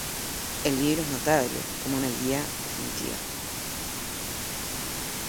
El libro es notable como una "guía definitiva".